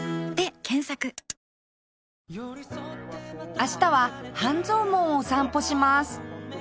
明日は半蔵門を散歩します